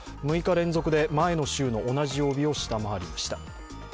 ６日連続で前の週の同じ曜日を下回りました。